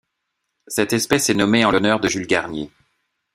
Cette espèce est nommée en l'honneur de Jules Garnier.